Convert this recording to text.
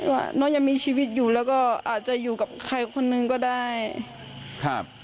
ว่าน้องยังมีชีวิตอยู่แล้วก็อาจจะอยู่กับใครคนนึงก็ได้ครับ